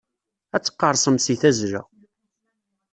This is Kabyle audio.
Ad teqqerṣem si tazla.